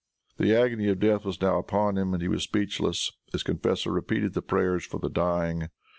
The agony of death was now upon him, and he was speechless. His confessor repeated the prayers for the dying.